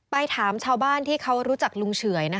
ไปถามชาวบ้านที่เขารู้จักลุงเฉยนะคะ